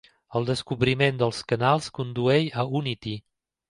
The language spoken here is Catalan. El descobriment dels canals condueix a Unity.